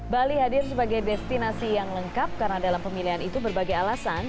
bali hadir sebagai destinasi yang lengkap karena dalam pemilihan itu berbagai alasan